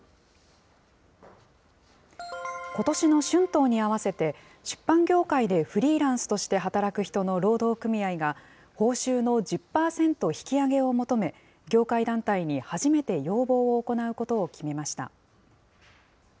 ことしの春闘に合わせて、出版業界でフリーランスとして働く人の労働組合が、報酬の１０％引き上げを求め、業界団体に初めて要望を行うことを決めました。